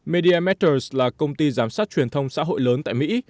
media marters là công ty giám sát truyền thông xã hội lớn tại mỹ